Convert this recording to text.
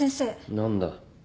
何だ。